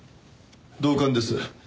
同感です。